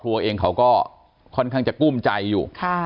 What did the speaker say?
ก็แล้วกันเพราะว่าทางครอบครัวเองเขาก็ค่อนข้างจะกู้มใจอยู่